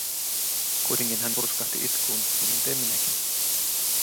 Kuitenkin hän purskahti itkuun ja niin tein minäkin.